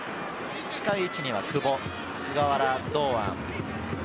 近い位置には久保、菅原、堂安。